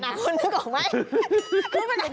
มันเหม็นแงบนะคุณนึกออกไหม